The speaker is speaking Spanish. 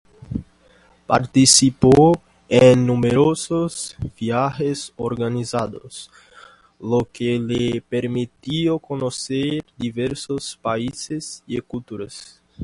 Participó en numerosos viajes organizados, lo que le permitió conocer diversos países y culturas.